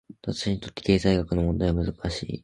私にとって、経済学の問題は難しい。